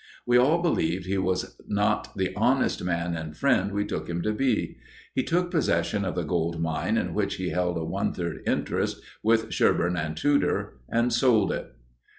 We all believed he was not the honest man and friend we took him to be. He took possession of the gold mine in which he held a one third interest with Sherburn and Tudor, and sold it.